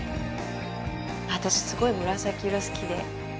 私すごい紫色好きで。